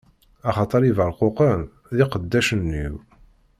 Axaṭer Ibeṛquqen d iqeddacen-iw.